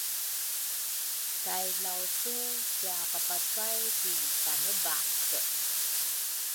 kay Laucu kiapapacay ki Tanebake.